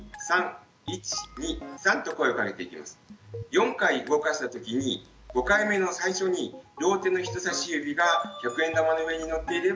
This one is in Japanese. ４回動かした時に５回目の最初に両手の人さし指が１００円玉の上にのっていればチャレンジ成功です。